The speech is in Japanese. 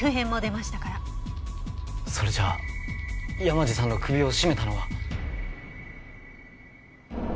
それじゃあ山路さんの首を絞めたのは。